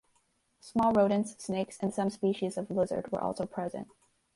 Small rodents, snakes and some species of lizard were also present.